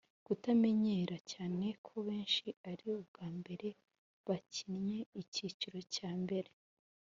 kutamenyera cyane ko benshi ari ubwa mbere bakinnye icyiciro cya mbere